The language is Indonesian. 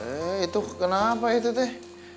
eh itu kenapa itu teh